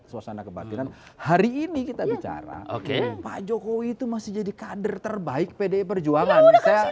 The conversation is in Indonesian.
suasana kebatinan hari ini kita bicara oke pak jokowi itu masih jadi kader terbaik pdi perjuangan saya